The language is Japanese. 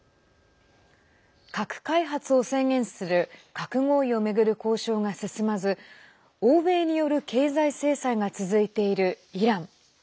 核開発を制限する核合意を巡る交渉が進まず欧米による経済制裁が続いているイラン。